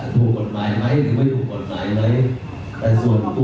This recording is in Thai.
ถูกกฎหมายไหมหรือไม่ถูกกฎหมายไหมแต่ส่วนตัว